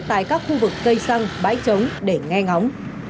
tại các khu vực cây xăng bãi trống để nghe ngóng